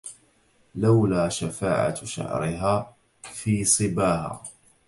لولا شفاعة شعرها في صبها